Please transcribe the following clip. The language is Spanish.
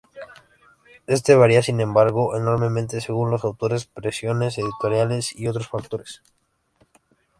Este varía, sin embargo, enormemente según los autores, presiones editoriales, y otros factores.